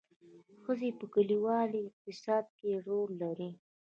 ښځې په کلیوالي اقتصاد کې رول لري